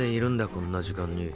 こんな時間に。